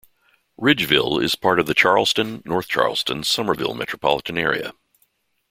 Ridgeville is part of the Charleston-North Charleston-Summerville metropolitan area.